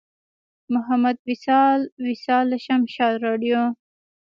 محمد واصل وصال له شمشاد راډیو.